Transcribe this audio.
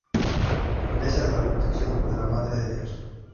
Iglesia de la Protección de la Madre de Dios